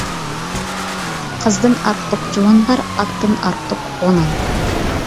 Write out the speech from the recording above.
قىزدىن ئارتۇق جۇۋان بار، ئاتتىن ئارتۇق غۇنان.